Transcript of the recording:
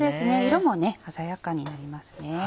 色も鮮やかになりますね。